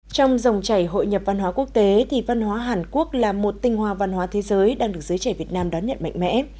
trong dòng chảy hội nhập văn hóa quốc tế thì văn hóa hàn quốc là một tinh hoa văn hóa thế giới đang được giới trẻ việt nam đón nhận mạnh mẽ